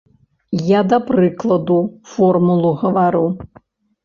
Я да прыкладу формулу гавару.